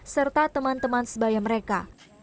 serta teman teman sebaya mereka